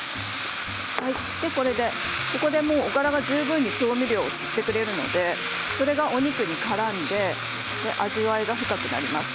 ここでおからが十分に調味料を吸ってくれるのでそれがお肉にからんで味わいが深くなります。